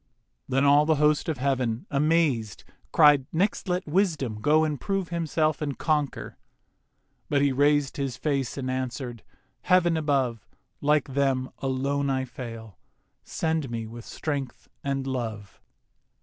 Then all the host of heav'n, amazed, Cried, 'Next let Wisdom go and prove Himself and conquer.' But he raised His face and answer'd, 'Heav'n above, Like them, alone I fail; send with me Strength and Love.